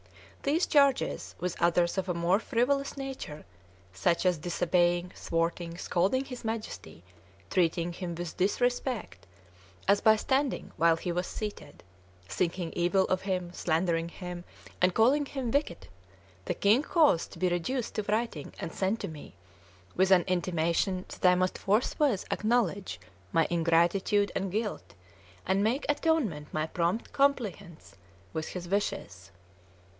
These charges, with others of a more frivolous nature, such as disobeying, thwarting, scolding his Majesty, treating him with disrespect, as by standing while he was seated, thinking evil of him, slandering him, and calling him wicked, the king caused to be reduced to writing and sent to me, with an intimation that I must forthwith acknowledge my ingratitude and guilt, and make atonement by prompt compliance with his wishes.